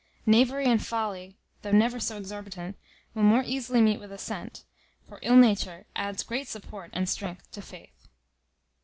Knavery and folly, though never so exorbitant, will more easily meet with assent; for ill nature adds great support and strength to faith.